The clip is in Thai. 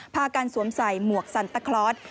พากันสวมใส่หมวกซันตะคลอส